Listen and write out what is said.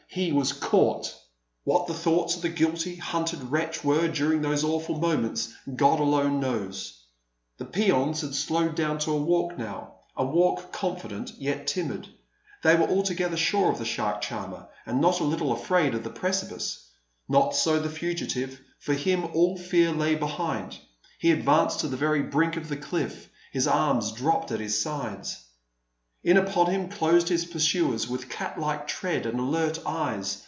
He was caught! What the thoughts of the guilty, hunted wretch were during those awful moments, God alone knows. The peons had slowed down to a walk now a walk confident, yet timid. They were altogether sure of the shark charmer, and not a little afraid of the precipice. Not so the fugitive; for him all fear lay behind. He advanced to the very brink of the cliff. His arms dropped at his sides. In upon him closed his pursuers with cat like tread and alert eyes.